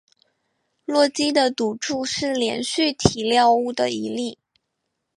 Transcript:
洛基的赌注是连续体谬误的一例。